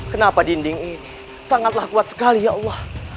kenapa dinding ini sangatlah kuat sekali ya allah